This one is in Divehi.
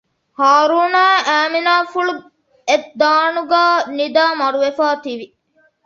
ހާރޫނާއި އައިމިނާފުޅު އެއް ދާނުގައި ނިދައި މަރުވެފައި ތިވި